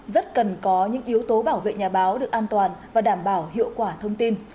rất cần có những yếu tố bảo vệ nhà báo được an toàn và đảm bảo hiệu quả thông tin